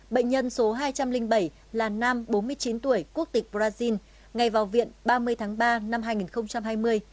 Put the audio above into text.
bệnh nhân số hai trăm linh bảy là nam bốn mươi chín tuổi quốc tịch brazil ngay vào viện ba mươi tháng ba năm hai nghìn hai mươi